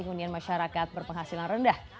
hunian masyarakat berpenghasilan rendah